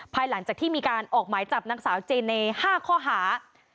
ภายหลังจากที่มีการออกหมายจับนางสาวเจเน๕ข้อหา